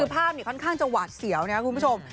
ภาพค่อนข้างจะหวาดเสียวนะครับคุณผู้ชม